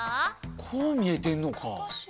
こう見えてんのか。